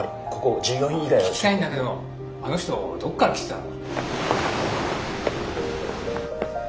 聞きたいんだけどあの人どっから来てたの？